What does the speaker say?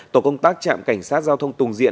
tổ công tác trạm cảnh sát giao thông tùng diện